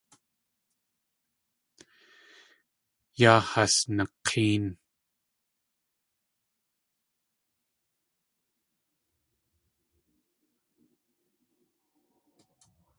Yaa has nak̲éen.